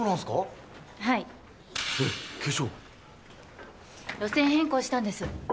化粧路線変更したんです